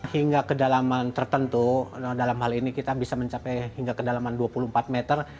hingga kedalaman tertentu dalam hal ini kita bisa mencapai hingga kedalaman dua puluh empat meter